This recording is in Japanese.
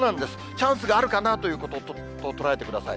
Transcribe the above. チャンスがあるかなということと捉えてください。